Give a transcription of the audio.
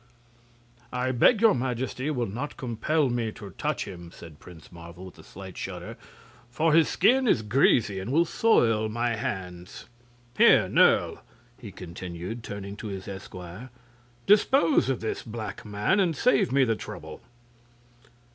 "I beg your Majesty will not compel me to touch him," said Prince Marvel, with a slight shudder; "for his skin is greasy, and will soil my hands. Here, Nerle!" he continued, turning to his esquire, "dispose of this black man, and save me the trouble."